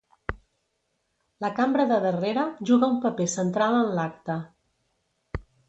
La cambra de darrere juga un paper central en l'acte.